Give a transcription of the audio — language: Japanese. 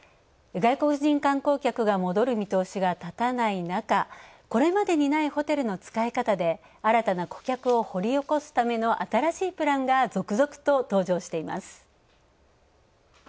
外国人観光客が戻る見通しが立たない中これまでにないホテルの使い方で新たな顧客を掘り起こすための新しいプランが続々と登場しています。